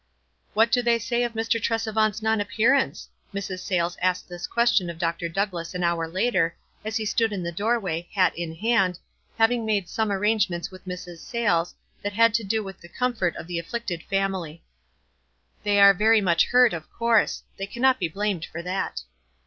"What do they say of Mr. Tresevant's non appearance?" Mrs. Sayles asked this question of Dr. Douglass an hour later, as he stood in the doorway, hat in hand, having made some arrangements with Mrs. Sayles, that had to do with the comfort of the afflicted family. " They are very much hurt, of course. They cannot be blamed for that."